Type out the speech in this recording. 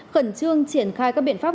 khẩn trương triển khai các biện pháp